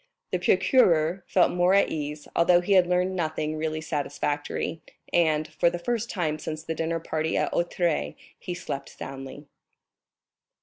The procureur felt more at ease, although he had learned nothing really satisfactory, and, for the first time since the dinner party at Auteuil, he slept soundly.